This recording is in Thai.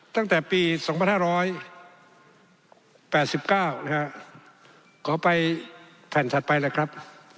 ตั้งแต่ปี๒๕๘๙นะฮะขอไปแผ่นถัดไปเลยครับ